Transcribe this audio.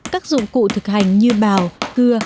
các dụng cụ thực hành như bào cưa